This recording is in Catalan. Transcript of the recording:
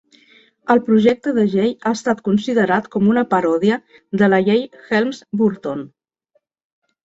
El projecte de llei ha estat considerat com una paròdia de la llei Helms-Burton.